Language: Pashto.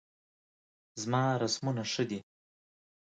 زما رسمونه ښه دي